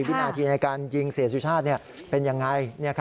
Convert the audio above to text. วินาทีในการยิงเสียสุชาติเป็นอย่างไร